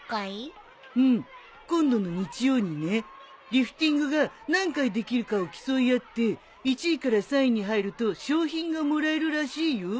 リフティングが何回できるかを競い合って１位から３位に入ると賞品がもらえるらしいよ。